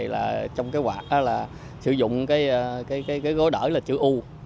là sử dụng cái gối đổi là chữ u